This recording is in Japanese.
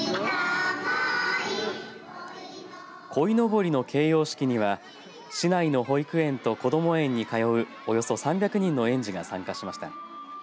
こいのぼりの掲揚式には市内の保育園とこども園に通うおよそ３００人の園児が参加しました。